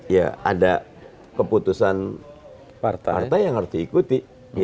ya ada keputusan partai yang harus diikuti